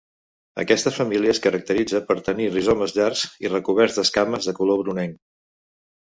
Aquesta família es caracteritza per tenir rizomes llargs i recoberts d'esquames de color brunenc.